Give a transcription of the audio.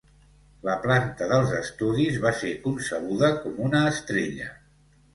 La planta dels estudis va ser concebuda com una estrella.